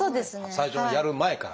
最初のやる前から。